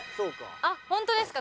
あっホントですか？